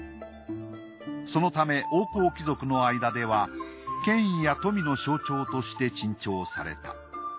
そのため王侯貴族の間では権威や富の象徴として珍重された。